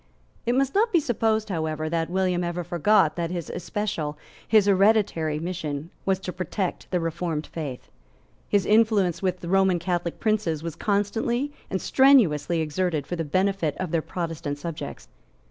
It must not be supposed however that William ever forgot that his especial, his hereditary, mission was to protect the Reformed Faith. His influence with Roman Catholic princes was constantly and strenuously exerted for the benefit of their Protestant subjects.